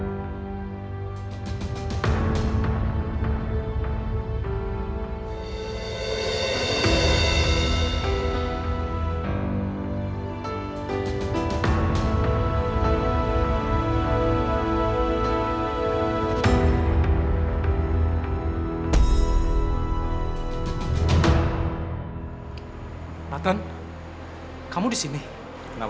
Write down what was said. pasrah sangat besar bisa juga